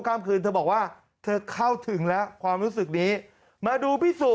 ข้ามคืนเธอบอกว่าเธอเข้าถึงแล้วความรู้สึกนี้มาดูพี่สุ